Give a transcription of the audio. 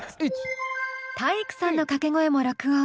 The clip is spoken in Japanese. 体育さんの掛け声も録音。